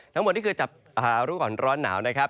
ทั้งหมดนี่คือจับรู้ก่อนร้อนหนาวนะครับ